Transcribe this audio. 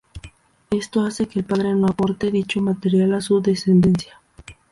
Esto hace que el padre no aporte dicho material a su descendencia.